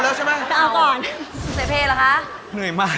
คุณเอยจากที่ดูอยู่เนี่ยที่เหลืออยู่เนี่ย